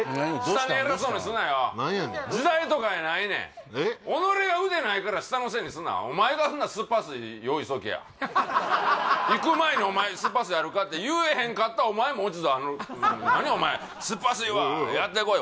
下に偉そうにすなよ何やねん時代とかやないねんおのれが腕ないから下のせいにすんなお前がそんならすっぱ水用意しとけや行く前に「お前すっぱ水あるか？」って言えへんかったお前も落ち度あるのに何お前「すっぱ水は？」「やってこい」